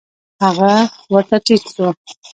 هغه ورته ټيټ سو.